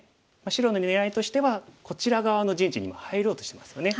白の狙いとしてはこちら側の陣地に入ろうとしてますよね。